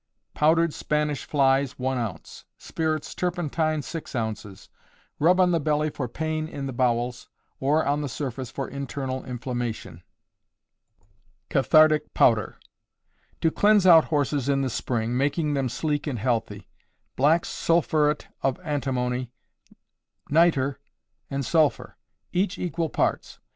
_ Powdered Spanish flies, one ounce; spirits turpentine, six ounces. Rub on the belly for pain in the bowels, or on the surface for internal inflammation. Cathartic Powder. To cleanse out horses in the spring, making them sleek and healthy; black sulphuret of antimony, nitre, and sulphur, each equal parts.